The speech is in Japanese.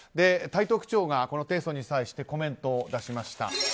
台東区長が提訴に際してコメントを出しました。